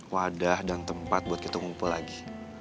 wadah dan tempat buat kita ngumpul lagi